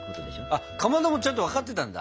あっかまどもちゃんと分かってたんだ？